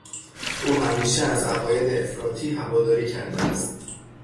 او همیشه از عقاید افراطی هواداری کرده است.